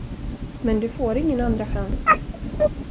Men du får ingen andra chans.